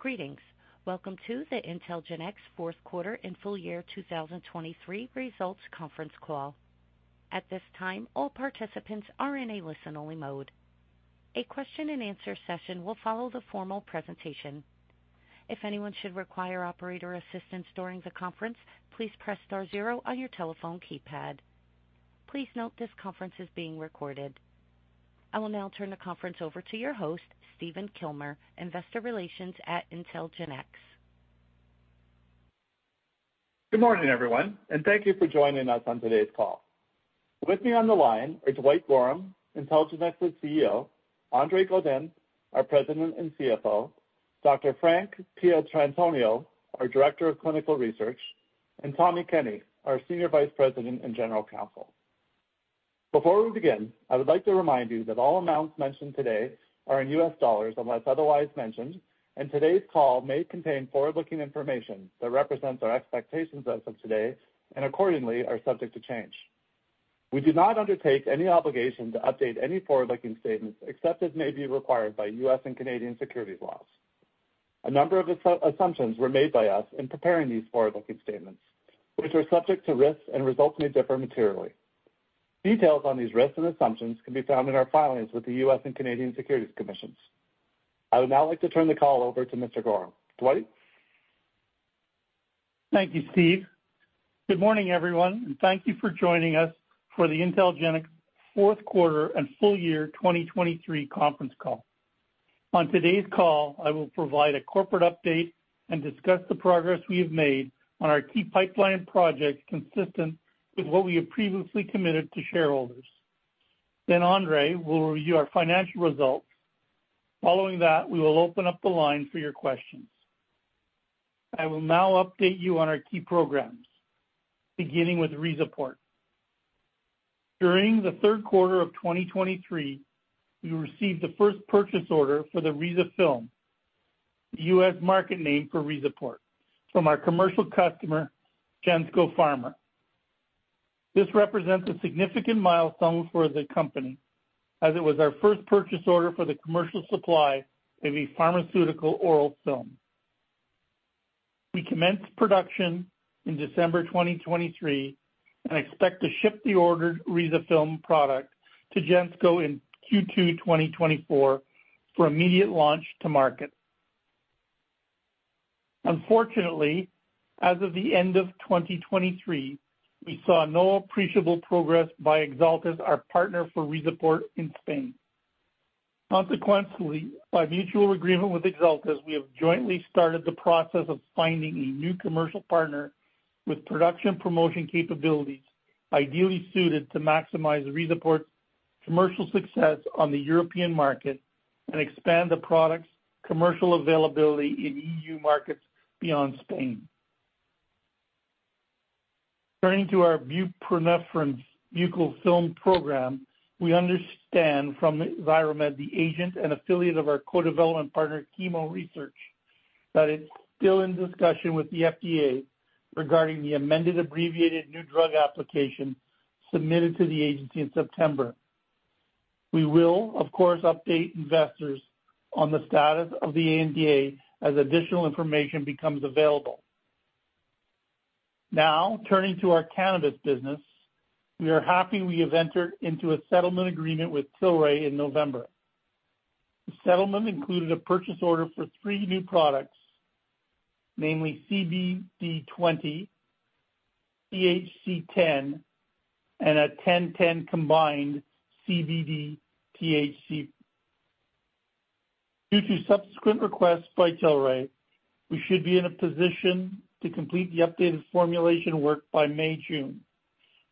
Greetings. Welcome to the IntelGenx fourth quarter and full year 2023 results conference call. At this time, all participants are in a listen-only mode. A question-and-answer session will follow the formal presentation. If anyone should require operator assistance during the conference, please press star zero on your telephone keypad. Please note this conference is being recorded. I will now turn the conference over to your host, Stephen Kilmer, Investor Relations at IntelGenx. Good morning, everyone, and thank you for joining us on today's call. With me on the line is Dwight Gorham, IntelGenx's CEO; André Godin, our President and CFO; Dr. Frank Pietrantonio, our Director of Clinical Research; and Tommy Kenny, our Senior Vice President and General Counsel. Before we begin, I would like to remind you that all amounts mentioned today are in U.S. dollars, unless otherwise mentioned, and today's call may contain forward-looking information that represents our expectations as of today, and accordingly, are subject to change. We do not undertake any obligation to update any forward-looking statements, except as may be required by U.S. and Canadian securities laws. A number of assumptions were made by us in preparing these forward-looking statements, which are subject to risks, and results may differ materially. Details on these risks and assumptions can be found in our filings with the U.S. and Canadian securities commissions. I would now like to turn the call over to Mr. Gorham. Dwight? Thank you, Steph. Good morning, everyone, and thank you for joining us for the IntelGenx fourth quarter and full year 2023 conference call. On today's call, I will provide a corporate update and discuss the progress we have made on our key pipeline projects consistent with what we have previously committed to shareholders. Then André will review our financial results. Following that, we will open up the line for your questions. I will now update you on our key programs, beginning with RIZAPORT. During the third quarter of 2023, we received the first purchase order for the RizaFilm, the U.S. market name for RIZAPORT, from our commercial customer, Gensco Pharma. This represents a significant milestone for the company, as it was our first purchase order for the commercial supply in a pharmaceutical oral film. We commenced production in December 2023 and expect to ship the ordered RizaFilm product to Gensco Pharma in Q2 2024 for immediate launch to market. Unfortunately, as of the end of 2023, we saw no appreciable progress by Exeltis, our partner for RIZAPORT in Spain. Consequently, by mutual agreement with Exeltis, we have jointly started the process of finding a new commercial partner with production promotion capabilities, ideally suited to maximize RIZAPORT's commercial success on the European market and expand the product's commercial availability in EU markets beyond Spain. Turning to our buprenorphine buccal film program, we understand from Xiromed, the agent and affiliate of our co-development partner, Chemo Research, that it's still in discussion with the FDA regarding the amended abbreviated new drug application submitted to the agency in September. We will, of course, update investors on the status of the ANDA as additional information becomes available. Now, turning to our cannabis business, we are happy we have entered into a settlement agreement with Tilray in November. The settlement included a purchase order for three new products, namely CBD 20, THC 10, and a 10/10 combined CBD THC. Due to subsequent requests by Tilray, we should be in a position to complete the updated formulation work by May, June,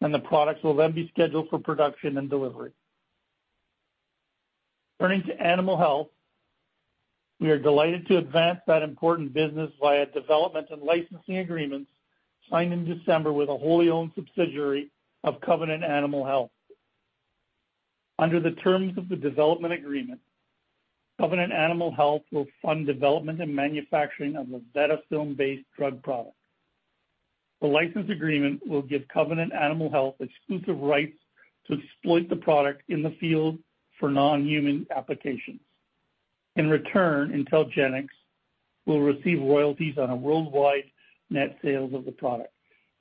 and the products will then be scheduled for production and delivery. Turning to animal health, we are delighted to advance that important business via development and licensing agreements signed in December with a wholly-owned subsidiary of Covenant Animal Health. Under the terms of the development agreement, Covenant Animal Health will fund development and manufacturing of the VetaFilm-based drug product. The license agreement will give Covenant Animal Health exclusive rights to exploit the product in the field for non-human applications. In return, IntelGenx will receive royalties on a worldwide net sales of the product.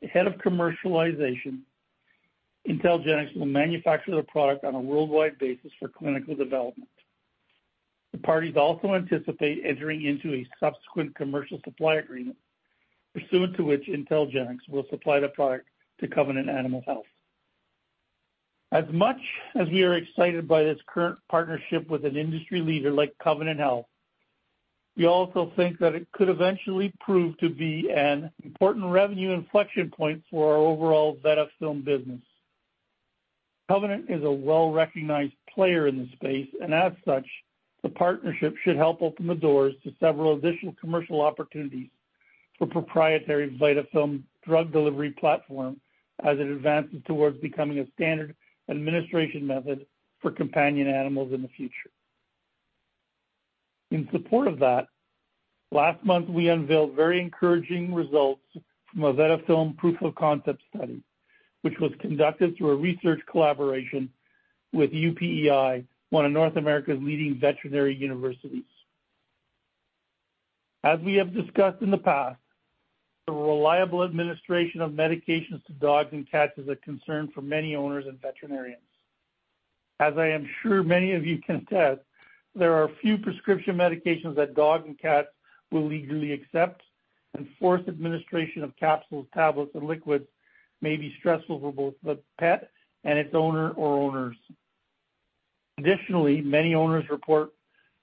Ahead of commercialization, IntelGenx will manufacture the product on a worldwide basis for clinical development. The parties also anticipate entering into a subsequent commercial supply agreement, pursuant to which IntelGenx will supply the product to Covenant Animal Health. As much as we are excited by this current partnership with an industry leader like Covenant Animal Health, we also think that it could eventually prove to be an important revenue inflection point for our overall VetaFilm business. Covenant Animal Health is a well-recognized player in the space, and as such, the partnership should help open the doors to several additional commercial opportunities for proprietary VetaFilm drug delivery platform as it advances towards becoming a standard administration method for companion animals in the future. In support of that, last month, we unveiled very encouraging results from a VetaFilm proof of concept study, which was conducted through a research collaboration with UPEI, one of North America's leading veterinary universities. As we have discussed in the past, the reliable administration of medications to dogs and cats is a concern for many owners and veterinarians. As I am sure many of you can attest, there are few prescription medications that dogs and cats will eagerly accept, and forced administration of capsules, tablets, and liquids may be stressful for both the pet and its owner or owners. Additionally, many owners report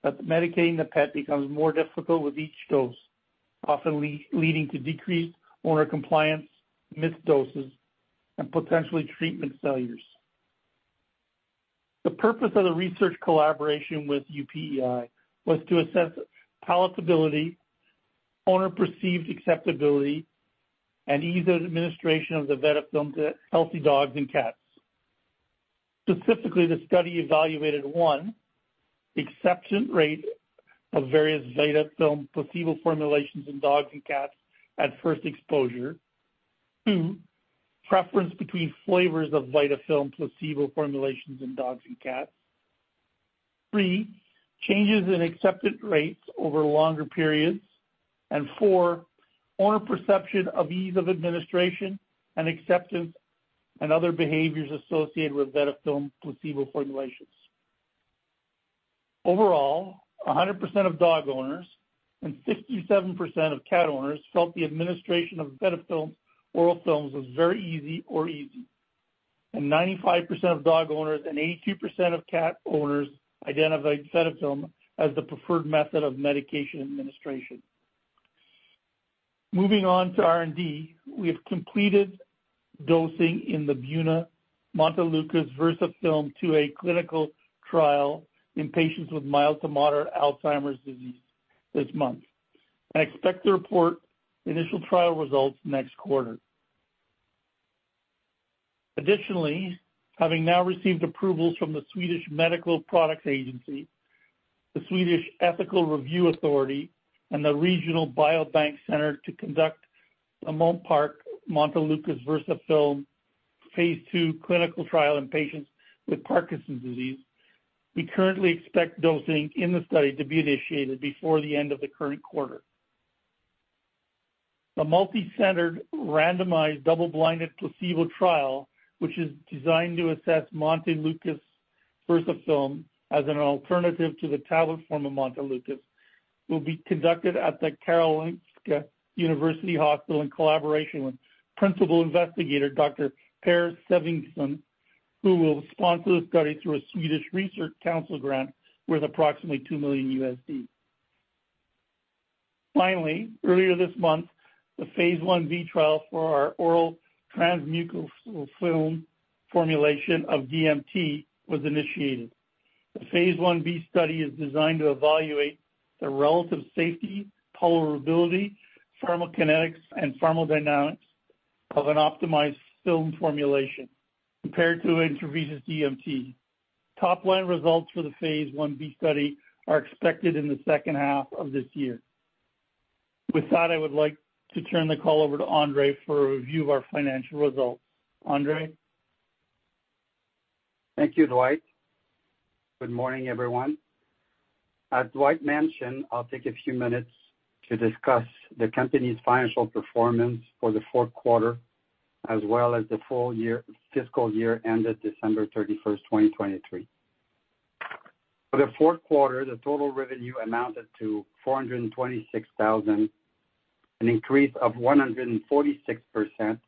that medicating the pet becomes more difficult with each dose, often leading to decreased owner compliance, missed doses, and potentially treatment failures. The purpose of the research collaboration with UPEI was to assess palatability, owner-perceived acceptability, and ease of administration of the VetaFilm to healthy dogs and cats. Specifically, the study evaluated, one, acceptance rate of various VetaFilm placebo formulations in dogs and cats at first exposure. Two, preference between flavors of VetaFilm placebo formulations in dogs and cats. Three, changes in acceptance rates over longer periods. And four, owner perception of ease of administration and acceptance and other behaviors associated with VetaFilm placebo formulations. Overall, 100% of dog owners and 67% of cat owners felt the administration of VetaFilm oral films was very easy or easy, and 95% of dog owners and 82% of cat owners identified VetaFilm as the preferred method of medication administration. Moving on to R&D, we have completed dosing in the BUENA montelukast VersaFilm, a clinical trial in patients with mild to moderate Alzheimer's disease this month, and expect to report initial trial results next quarter. Additionally, having now received approvals from the Swedish Medical Products Agency, the Swedish Ethical Review Authority, and the Regional Biobank Center to conduct a MONTPARK Montelukast VersaFilm phase II clinical trial in patients with Parkinson's disease, we currently expect dosing in the study to be initiated before the end of the current quarter. The multicentered, randomized, double-blinded placebo trial, which is designed to assess montelukast VersaFilm as an alternative to the tablet form of montelukast, will be conducted at the Karolinska University Hospital in collaboration with principal investigator Dr. Per Svenningsson, who will sponsor the study through a Swedish Research Council grant worth approximately $2 million. Finally, earlier this month, the phase 1b trial for our oral transmucosal film formulation of DMT was initiated. The phase 1b study is designed to evaluate the relative safety, tolerability, pharmacokinetics, and pharmacodynamics of an optimized film formulation compared to intravenous DMT. Top-line results for the phase 1b study are expected in the second half of this year. With that, I would like to turn the call over to André for a review of our financial results. André? Thank you, Dwight. Good morning, everyone. As Dwight mentioned, I'll take a few minutes to discuss the company's financial performance for the fourth quarter, as well as the full year - fiscal year ended December 31, 2023. For the fourth quarter, the total revenue amounted to $426,000, an increase of 146%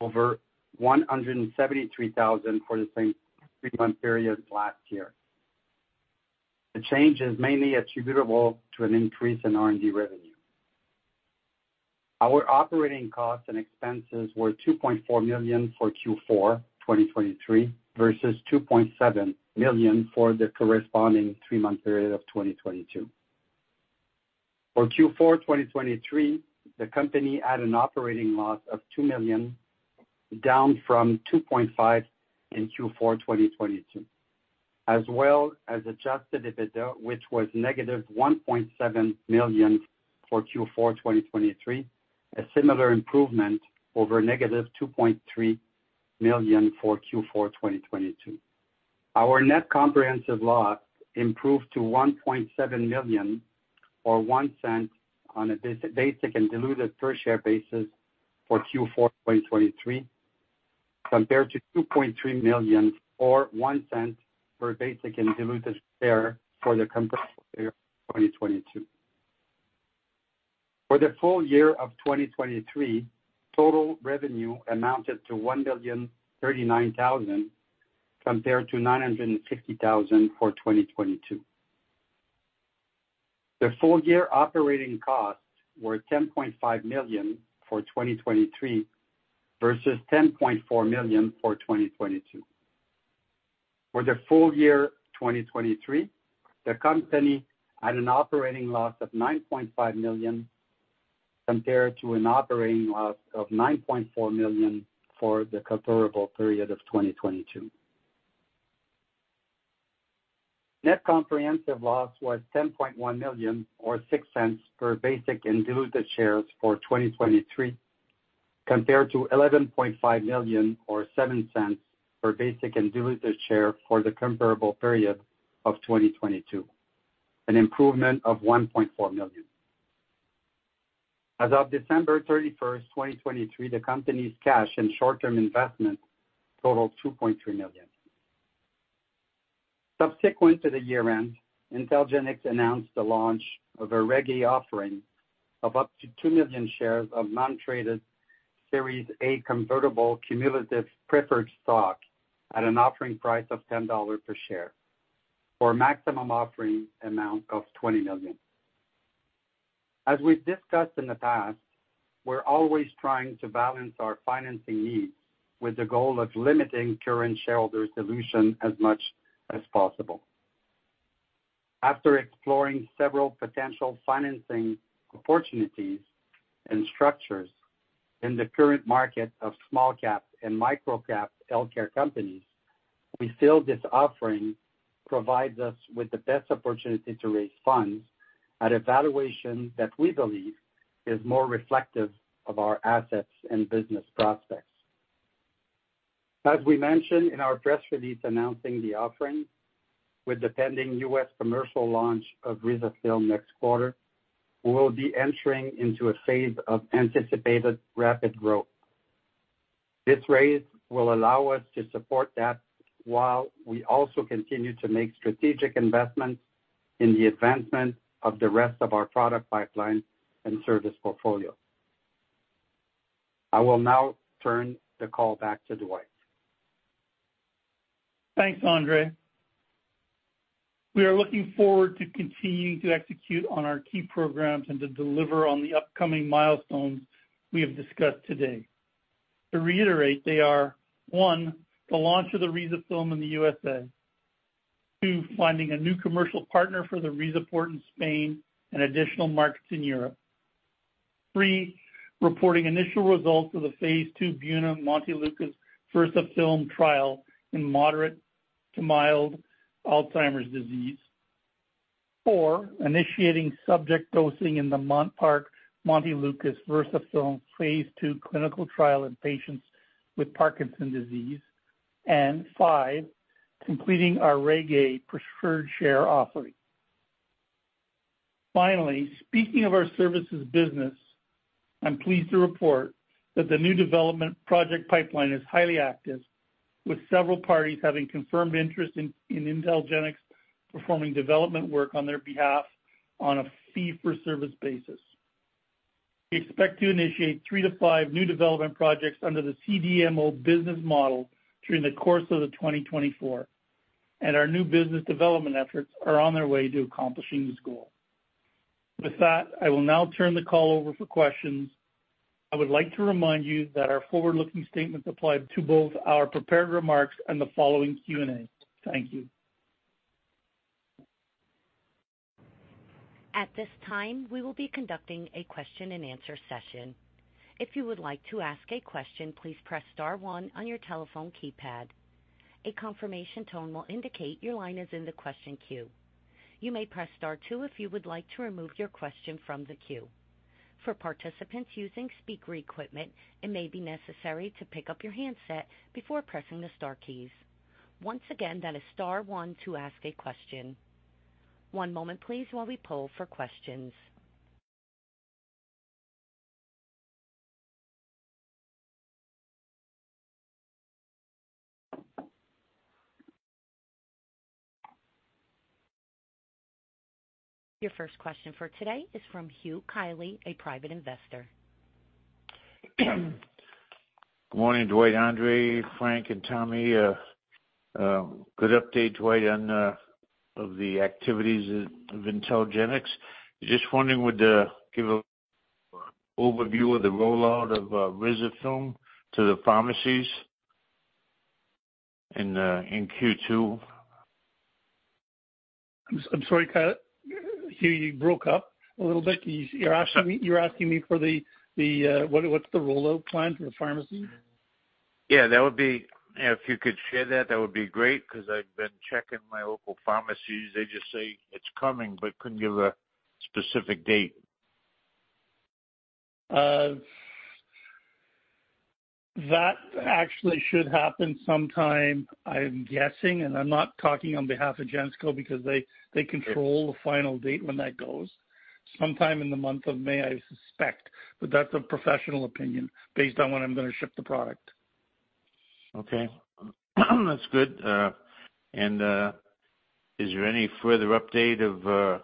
over $173,000 for the same three-month period last year. The change is mainly attributable to an increase in R&D revenue. Our operating costs and expenses were $2.4 million for Q4 2023, versus $2.7 million for the corresponding three-month period of 2022. For Q4 2023, the company had an operating loss of $2 million, down from $2.5 million in Q4 2022, as well as adjusted EBITDA, which was negative $1.7 million for Q4 2023, a similar improvement over negative $2.3 million for Q4 2022. Our net comprehensive loss improved to $1.7 million, or $0.01 on a basic and diluted per share basis for Q4 2023, compared to $2.3 million, or $0.01 per basic and diluted share for the comparable year 2022. For the full year of 2023, total revenue amounted to $1,039,000, compared to $950,000 for 2022. The full-year operating costs were $10.5 million for 2023 versus $10.4 million for 2022. For the full year 2023, the company had an operating loss of $9.5 million, compared to an operating loss of $9.4 million for the comparable period of 2022. Net comprehensive loss was $10.1 million, or $0.06 per basic and diluted shares for 2023, compared to $11.5 million, or $0.07 per basic and diluted share for the comparable period of 2022, an improvement of $1.4 million. As of December 31, 2023, the company's cash and short-term investments totaled $2.3 million. Subsequent to the year-end, IntelGenx announced the launch of a Reg A offering of up to 2 million shares of non-traded Series A convertible cumulative preferred stock at an offering price of $10 per share, for a maximum offering amount of $20 million. As we've discussed in the past, we're always trying to balance our financing needs with the goal of limiting current shareholder dilution as much as possible. After exploring several potential financing opportunities and structures in the current market of small-cap and micro-cap healthcare companies, we feel this offering provides us with the best opportunity to raise funds at a valuation that we believe is more reflective of our assets and business prospects. As we mentioned in our press release announcing the offering, with the pending U.S. commercial launch of RizaFilm next quarter, we will be entering into a phase of anticipated rapid growth. This raise will allow us to support that, while we also continue to make strategic investments in the advancement of the rest of our product pipeline and service portfolio. I will now turn the call back to Dwight. Thanks, André. We are looking forward to continuing to execute on our key programs and to deliver on the upcoming milestones we have discussed today. To reiterate, they are, one, the launch of the RizaFilm in the USA. Two, finding a new commercial partner for the RIZAPORT in Spain and additional markets in Europe. Three, reporting initial results of the phase II BUENA Montelukast VersaFilm trial in moderate to mild Alzheimer's disease. Four, initiating subject dosing in the MONTPARK Montelukast VersaFilm phase II clinical trial in patients with Parkinson's disease. And five, completing our Reg A preferred share offering. Finally, speaking of our services business, I'm pleased to report that the new development project pipeline is highly active, with several parties having confirmed interest in IntelGenx performing development work on their behalf on a fee-for-service basis. We expect to initiate three to five new development projects under the CDMO business model during the course of 2024, and our new business development efforts are on their way to accomplishing this goal. With that, I will now turn the call over for questions. I would like to remind you that our forward-looking statements apply to both our prepared remarks and the following Q&A. Thank you. At this time, we will be conducting a question-and-answer session. If you would like to ask a question, please press star one on your telephone keypad. A confirmation tone will indicate your line is in the question queue. You may press star two if you would like to remove your question from the queue. For participants using speaker equipment, it may be necessary to pick up your handset before pressing the star keys. Once again, that is star one to ask a question. One moment please while we poll for questions. Your first question for today is from Hugh Kiley, a private investor. Good morning, Dwight, André, Frank, and Tommy. Good update, Dwight, on the activities of IntelGenx. Just wondering, would you give an overview of the rollout of RizaFilm to the pharmacies in Q2? I'm sorry, Hugh, you broke up a little bit. You're asking me, you're asking me for the, the, what, what's the rollout plan for the pharmacy? Yeah, that would be, if you could share that, that would be great, 'cause I've been checking my local pharmacies. They just say it's coming, but couldn't give a specific date. That actually should happen sometime, I'm guessing, and I'm not talking on behalf of Gensco, because they control the final date when that goes. Sometime in the month of May, I suspect, but that's a professional opinion based on when I'm gonna ship the product. Okay. That's good. And is there any further update of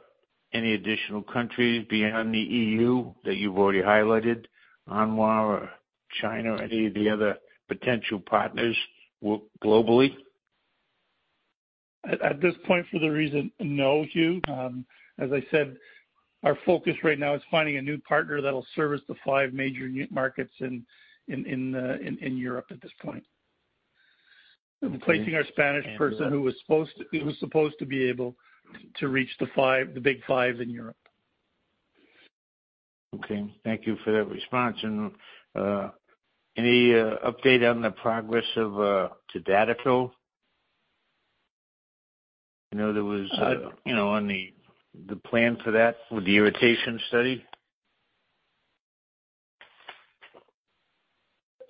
any additional countries beyond the EU that you've already highlighted, Canada or China or any of the other potential partners globally? At this point, for the reason, no, Hugh. As I said, our focus right now is finding a new partner that'll service the five major new markets in Europe at this point. Replacing our Spanish person who was supposed to be able to reach the five, the big 5 in Europe. Okay, thank you for that response. And any update on the progress of tadalafil? I know there was, you know, on the plan for that with the irritation study.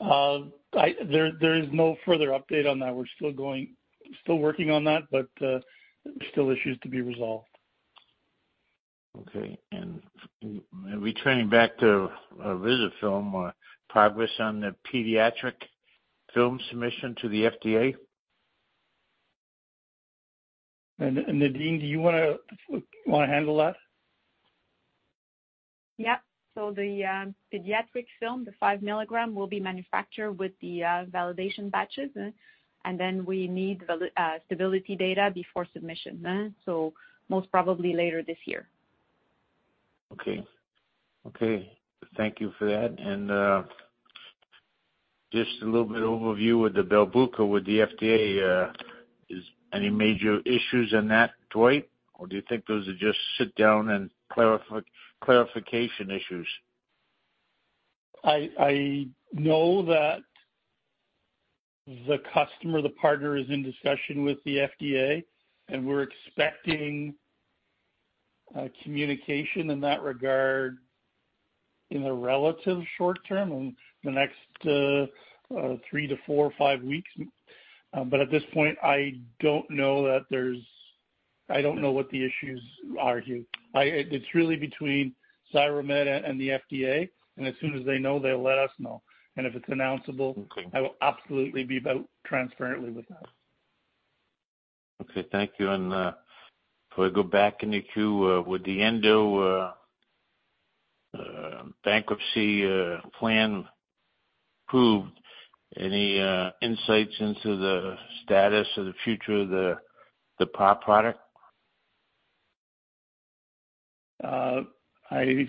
There is no further update on that. We're still going, still working on that, but still issues to be resolved. Okay. Returning back to RizaFilm, progress on the pediatric film submission to the FDA? Nadine, do you wanna handle that? Yep. So the pediatric film, the 5-milligram, will be manufactured with the validation batches. And then we need stability data before submission, so most probably later this year. Okay, thank you for that. Just a little bit overview with the Belbuca, with the FDA, is any major issues in that, Dwight? Or do you think those are just sit down and clarification issues? I know that the customer, the partner, is in discussion with the FDA, and we're expecting communication in that regard in the relatively short term, in the next three to four or five weeks. But at this point, I don't know that there's—I don't know what the issues are here. It's really between Xiromed and the FDA, and as soon as they know, they'll let us know. And if it's announceable... Okay. I will absolutely be transparent about that. Okay, thank you. And, if I go back in the queue, with the Endo bankruptcy plan approved, any insights into the status of the future of the Par product? I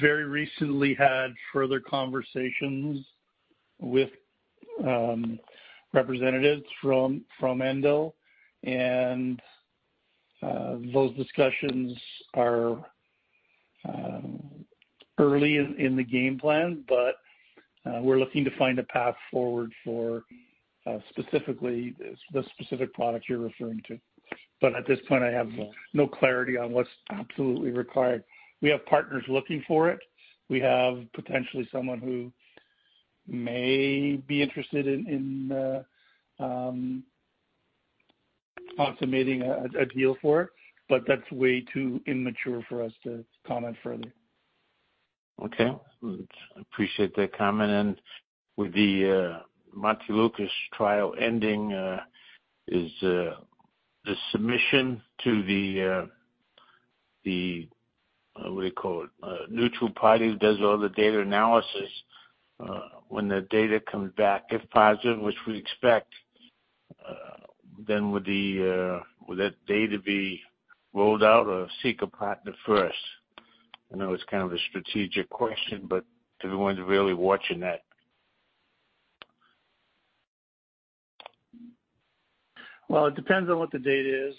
very recently had further conversations with representatives from Endo, and those discussions are early in the game plan. But we're looking to find a path forward for specifically the specific product you're referring to. But at this point, I have no clarity on what's absolutely required. We have partners looking for it. We have potentially someone who may be interested in consummating a deal for it, but that's way too immature for us to comment further. Okay. I appreciate that comment. And with the Montelukast trial ending, is the submission to the, the, what do you call it? Neutral party who does all the data analysis, when the data comes back, if positive, which we expect, then would the, will that data be rolled out or seek a partner first? I know it's kind of a strategic question, but everyone's really watching that. Well, it depends on what the data is,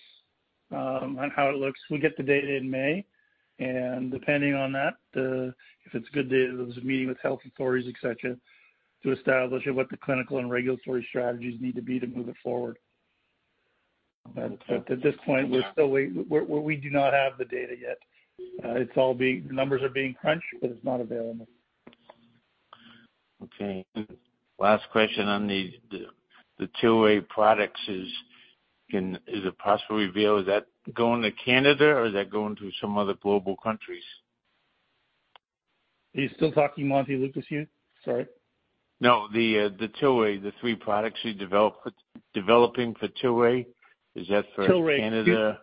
on how it looks. We get the data in May, and depending on that, if it's good data, there's a meeting with health authorities, et cetera, to establish what the clinical and regulatory strategies need to be to move it forward. But at this point, we're still waiting. We do not have the data yet. Numbers are being crunched, but it's not available. Okay. Last question on the Tilray products is, is it possible to reveal, is that going to Canada or is that going to some other global countries? Are you still talking Montelukast here? Sorry. No, the Tilray, the three products you developed, developing for Tilray. Is that for Canada?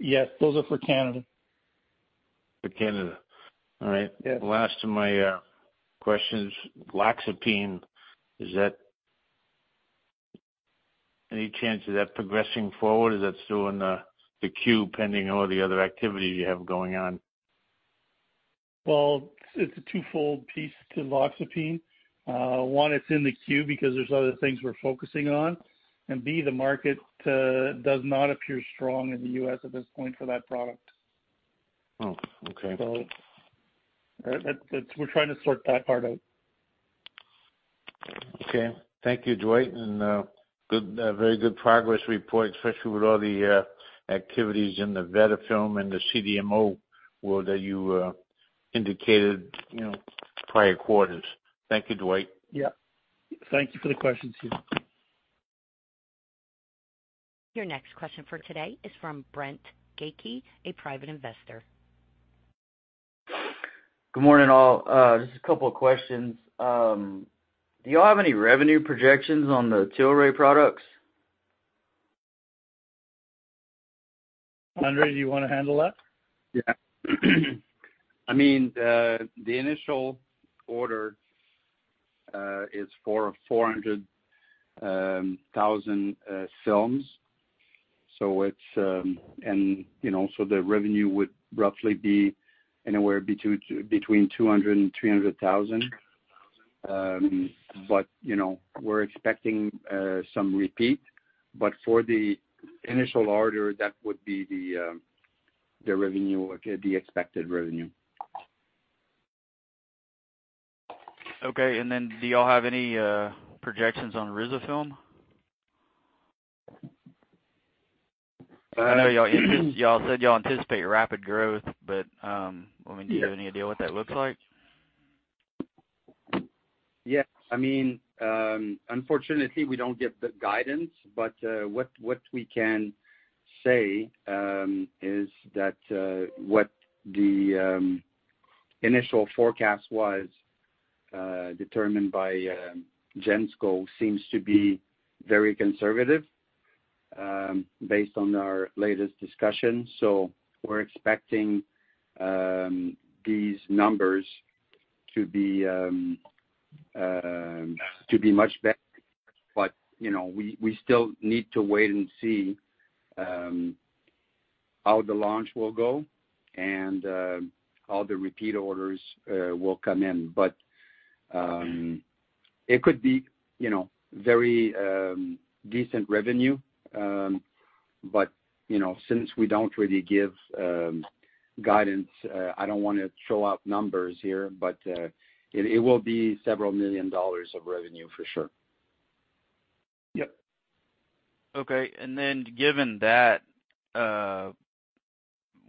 Tilray. Yes, those are for Canada. For Canada. All right. Yeah. Last of my questions, Loxapine, is that, any chance of that progressing forward? Is that still in the queue, pending all the other activity you have going on? Well, it's a twofold piece to loxapine. One, it's in the queue because there's other things we're focusing on. And B, the market does not appear strong in the U.S. at this point for that product. Oh, okay. So that's what we're trying to sort that part out. Okay. Thank you, Dwight, and good, very good progress report, especially with all the activities in the VetaFilm and the CDMO world that you indicated, you know, prior quarters. Thank you, Dwight. Yeah. Thank you for the questions, too. Your next question for today is from Brent Gaike, a private investor. Good morning, all. Just a couple of questions. Do you all have any revenue projections on the Tilray products? André, do you want to handle that? Yeah. I mean, the initial order is for 400,000 films. So it's, and, you know, so the revenue would roughly be anywhere between $200,000 and $300,000. But, you know, we're expecting some repeat, but for the initial order, that would be the revenue, the expected revenue. Okay, and then do you all have any projections on RizaFilm? I know you all, you all said you all anticipate rapid growth, but, I mean, do you have any idea what that looks like? Yes. I mean, unfortunately, we don't give the guidance, but what we can say is that what the initial forecast was determined by Gensco seems to be very conservative based on our latest discussion. So we're expecting these numbers to be much better. But, you know, we still need to wait and see how the launch will go and how the repeat orders will come in. But it could be, you know, very decent revenue, but, you know, since we don't really give guidance, I don't want to throw out numbers here, but it will be $several million of revenue for sure. Yep. Okay. And then given that,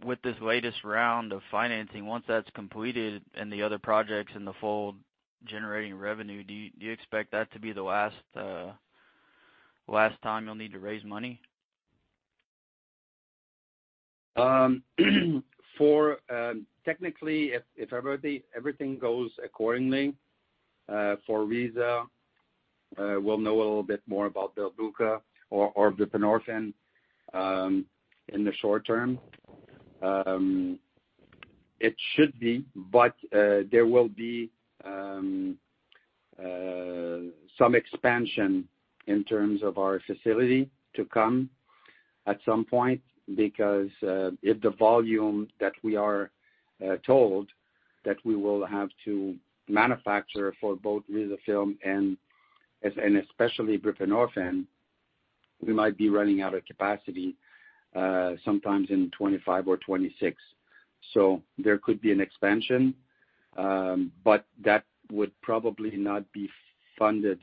with this latest round of financing, once that's completed and the other projects in the fold generating revenue, do you expect that to be the last time you'll need to raise money? Technically, if everything goes accordingly, for RIZAPORT, we'll know a little bit more about the Belbuca or buprenorphine in the short term. It should be, but there will be some expansion in terms of our facility to come at some point, because if the volume that we are told that we will have to manufacture for both RIZAFILM and especially buprenorphine, we might be running out of capacity sometimes in 2025 or 2026. So there could be an expansion, but that would probably not be funded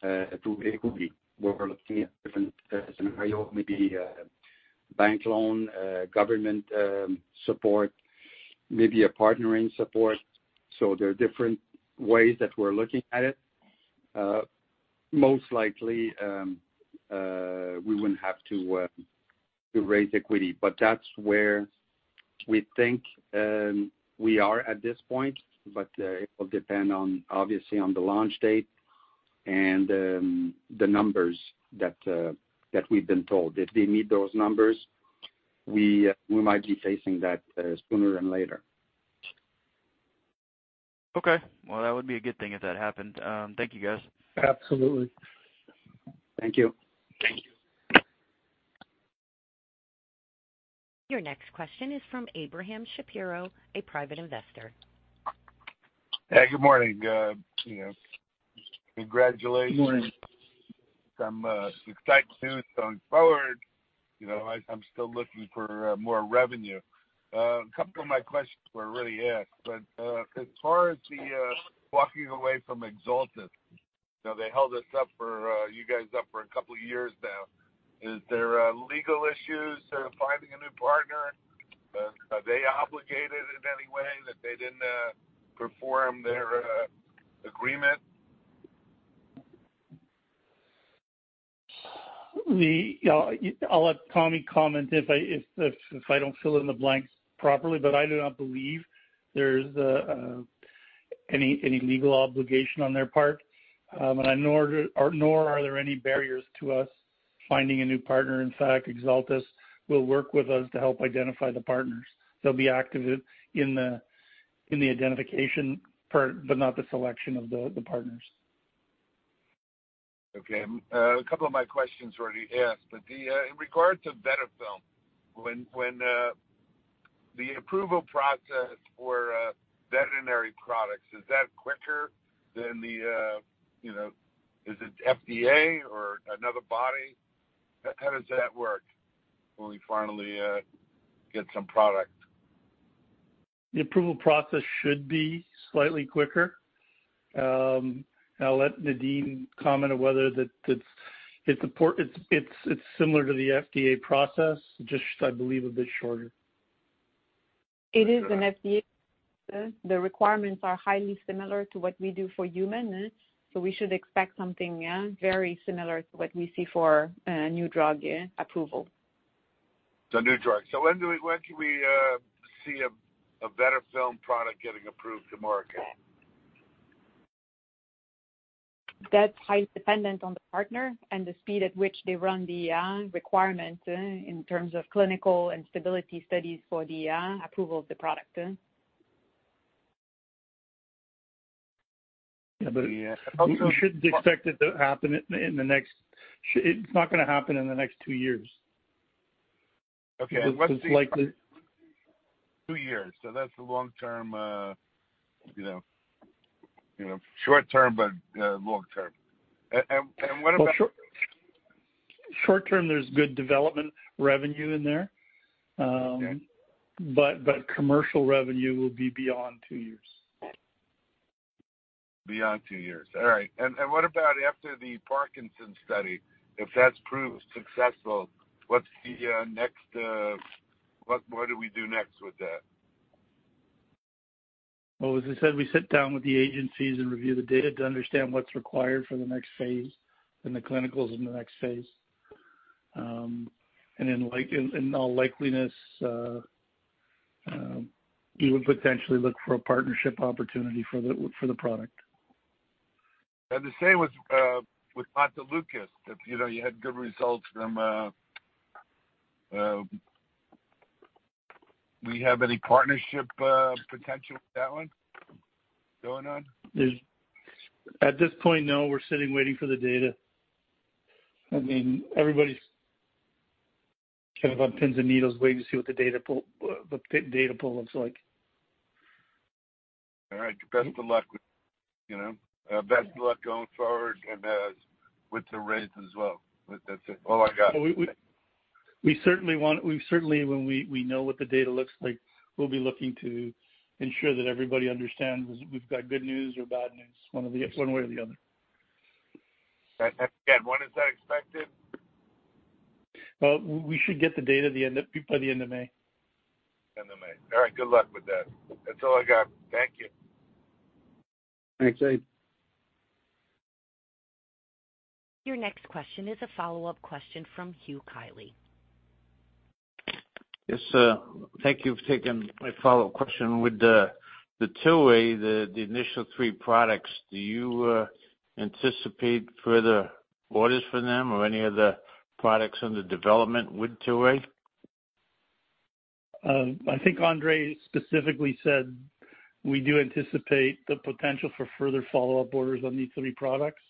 through equity, where we're looking at different scenario, maybe bank loan, government support, maybe a partnering support. So there are different ways that we're looking at it. Most likely, we wouldn't have to raise equity, but that's where we think we are at this point. It will depend on, obviously, on the launch date and the numbers that we've been told. If they need those numbers, we might be facing that sooner than later. Okay. Well, that would be a good thing if that happened. Thank you, guys. Absolutely. Thank you. Thank you. Your next question is from Abraham Shabot, a private investor. Hey, good morning. You know, congratulations. Good morning. I'm excited too, going forward. You know, I'm still looking for more revenue. A couple of my questions were already asked, but as far as the walking away from Exeltis, you know, they held us up for you guys up for a couple of years now. Is there legal issues finding a new partner? Are they obligated in any way that they didn't perform their agreement? I'll let Tommy comment if I don't fill in the blanks properly, but I do not believe there's any legal obligation on their part. Nor are there any barriers to us finding a new partner. In fact, Exeltis will work with us to help identify the partners. They'll be active in the identification part, but not the selection of the partners. Okay. A couple of my questions were already asked, but in regards to VetaFilm, when the approval process for veterinary products is that quicker than the, you know, is it FDA or another body? How does that work when we finally get some product? The approval process should be slightly quicker. I'll let Nadine comment on whether it's similar to the FDA process, just, I believe, a bit shorter. It is an FDA. The requirements are highly similar to what we do for human, so we should expect something, yeah, very similar to what we see for new drug, yeah, approval. The new drug. So when can we see a better film product getting approved to market? That's highly dependent on the partner and the speed at which they run the requirement, in terms of clinical and stability studies for the approval of the product. But we shouldn't expect it to happen in the next, it's not gonna happen in the next two years. Okay, two years, so that's the long term, you know, short term, but, long term. And, and, and what about.. Well, short term, there's good development revenue in there. Okay. Commercial revenue will be beyond two years. Beyond two years. All right. What about after the Parkinson's study? If that's proved successful, what do we do next with that? Well, as I said, we sit down with the agencies and review the data to understand what's required for the next phase, and the clinicals in the next phase. And in all likelihood, we would potentially look for a partnership opportunity for the product. The same with Montelukast. If, you know, you had good results from, do you have any partnership potential with that one going on? At this point, no, we're sitting, waiting for the data. I mean, everybody's kind of on pins and needles waiting to see what the data pull, the data pull looks like. All right. Best of luck with, you know, best of luck going forward and, with the raise as well. But that's it. All I got. Well, we certainly want, we certainly, when we know what the data looks like, we'll be looking to ensure that everybody understands we've got good news or bad news, one way or the other. When is that expected? We should get the data at the end of, by the end of May. End of May. All right. Good luck with that. That's all I got. Thank you. Thanks, Ab. Your next question is a follow-up question from Hugh Kiley. Yes, thank you for taking my follow-up question. With the Tilray, the initial three products, do you anticipate further orders for them or any of the products under development with Tilray? I think André specifically said we do anticipate the potential for further follow-up orders on these three products,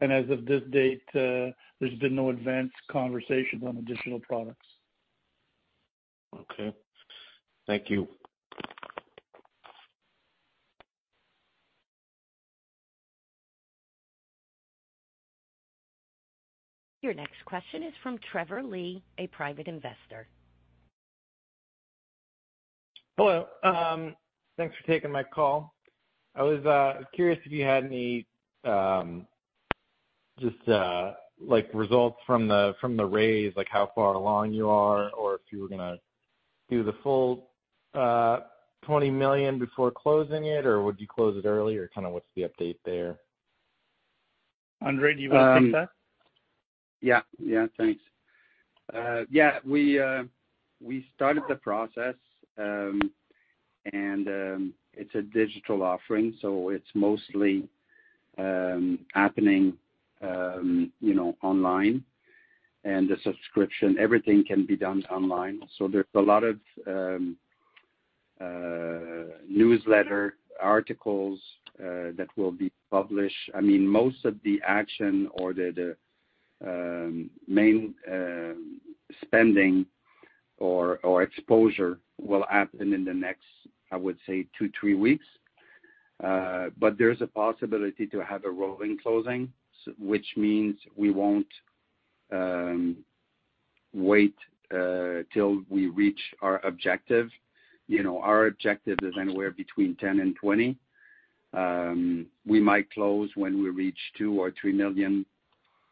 and as of this date, there's been no advanced conversations on additional products. Okay. Thank you. Your next question is from Trevor Lee, a private investor. Hello. Thanks for taking my call. I was curious if you had any, just, like, results from the raise, like, how far along you are, or if you were gonna do the full $20 million before closing it, or would you close it early, or kind of what's the update there? André, do you want to take that? Yeah. Yeah, thanks. Yeah, we, we started the process, and it's a digital offering, so it's mostly happening, you know, online. And the subscription, everything can be done online. So there's a lot of newsletter articles that will be published. I mean, most of the action or the main spending or exposure will happen in the next, I would say, two to three weeks. But there's a possibility to have a rolling closing, which means we won't wait till we reach our objective. You know, our objective is anywhere between 10 and 20. We might close when we reach $2 or 3 million.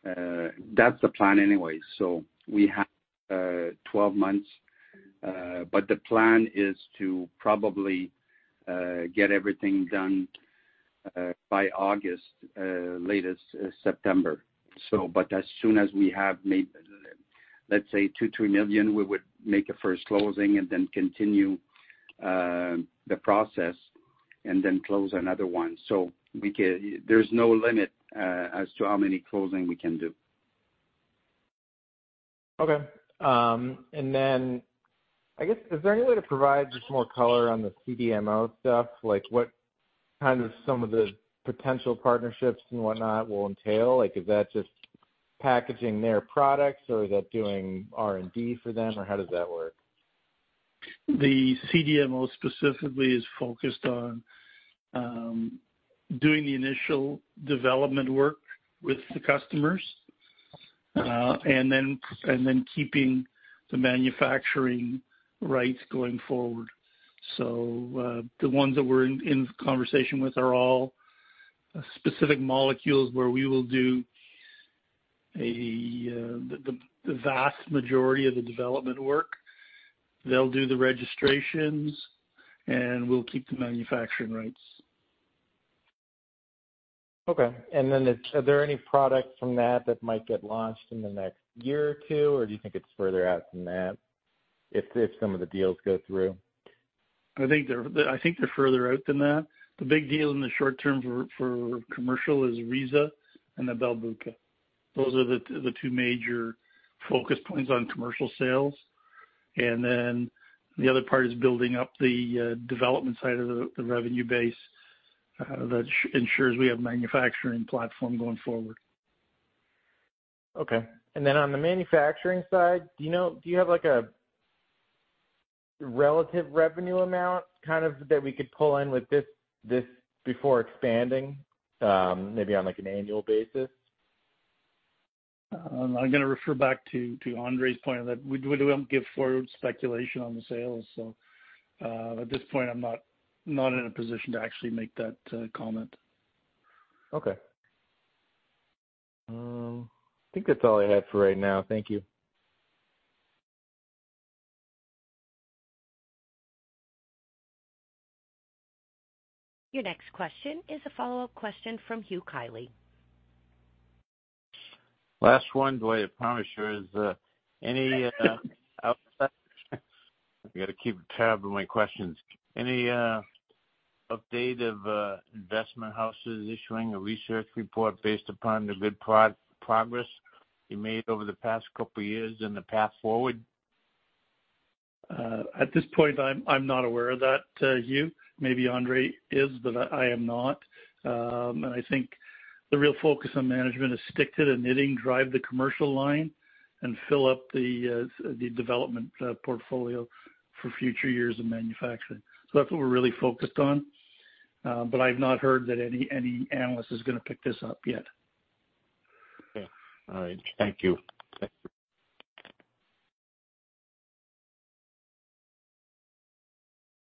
That's the plan anyway, so we have 12 months, but the plan is to probably get everything done by August, latest, September. But as soon as we have made, let's say, $2-$3 million, we would make a first closing and then continue the process and then close another one. So there's no limit as to how many closing we can do. Okay. And then, I guess, is there any way to provide just more color on the CDMO stuff? Like, what kind of some of the potential partnerships and whatnot will entail? Like, is that just packaging their products, or is that doing R&D for them, or how does that work? The CDMO specifically is focused on doing the initial development work with the customers, and then keeping the manufacturing rights going forward. So, the ones that we're in conversation with are all specific molecules where we will do the vast majority of the development work. They'll do the registrations, and we'll keep the manufacturing rights. Okay. And then it's—are there any products from that that might get launched in the next year or two, or do you think it's further out than that, if some of the deals go through? I think they're further out than that. The big deal in the short term for commercial is RizaFilm and Belbuca. Those are the two major focus points on commercial sales. And then the other part is building up the development side of the revenue base that ensures we have manufacturing platform going forward. Okay, and then on the manufacturing side, do you know, do you have, like, a relative revenue amount, kind of, that we could pull in with this, this before expanding, maybe on, like, an annual basis? I'm gonna refer back to André's point that we don't give forward speculation on the sales. So, at this point, I'm not in a position to actually make that comment. Okay. I think that's all I have for right now. Thank you. Your next question is a follow-up question from Hugh Kiley. Last one, Dwight, I promise you. I've got to keep tabs on my questions. Any update on investment houses issuing a research report based upon the good progress you made over the past couple of years and the path forward? At this point, I'm not aware of that, Hugh. Maybe André is, but I am not. I think the real focus on management is stick to the knitting, drive the commercial line, and fill up the development portfolio for future years of manufacturing. So that's what we're really focused on, but I've not heard that any analyst is gonna pick this up yet. Okay. All right. Thank you.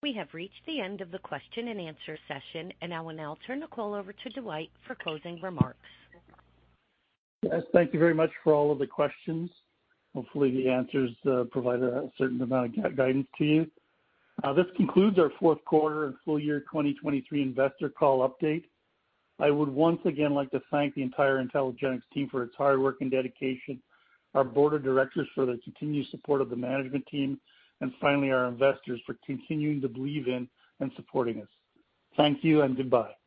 We have reached the end of the question-and-answer session, and I will now turn the call over to Dwight for closing remarks. Yes, thank you very much for all of the questions. Hopefully, the answers provided a certain amount of guidance to you. This concludes our fourth quarter and full year 2023 investor call update. I would once again like to thank the entire IntelGenx team for its hard work and dedication, our board of directors for their continued support of the management team, and finally, our investors for continuing to believe in and supporting us. Thank you and goodbye.